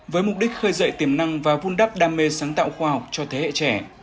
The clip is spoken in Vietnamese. với mục đích khơi dậy tiềm năng và vun đắp đam mê sáng tạo khoa học cho thế hệ trẻ